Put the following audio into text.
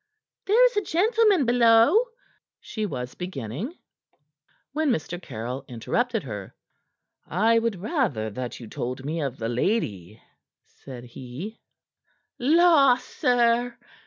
"There is a gentleman below " she was beginning, when Mr. Caryll interrupted her. "I would rather that you told me of the lady," said "La, sir!"